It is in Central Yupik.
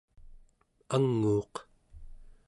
anguuq